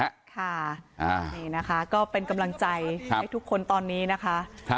นี่นะคะก็เป็นกำลังใจให้ทุกคนตอนนี้นะคะ